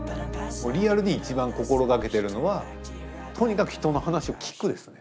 もうリアルに一番心がけてるのは「とにかく人の話を聞く」ですね。